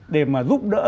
để mà giúp đỡ